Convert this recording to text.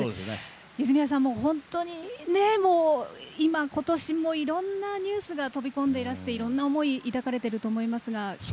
泉谷さん、本当に今年もいろんなニュースが飛び込んでいらしていろんな思い抱かれていると思いますが。